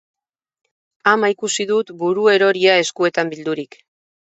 Ama ikusi dut buru eroria eskuetan bildurik.